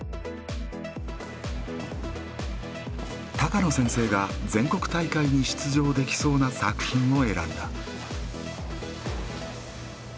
高野先生が全国大会に出場できそうな作品を選んだ。